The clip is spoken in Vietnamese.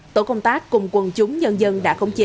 tổ công tác cùng quần chúng nhân dân đã khống chế